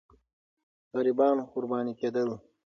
غریبان قرباني کېدل.